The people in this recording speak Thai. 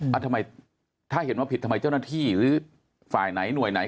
ทำไมถ้าเห็นว่าผิดทำไมเจ้าหน้าที่หรือฝ่ายไหนหน่วยไหน